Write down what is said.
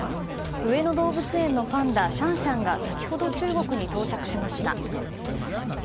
上野動物園のパンダシャンシャンが先ほど、中国に到着しました。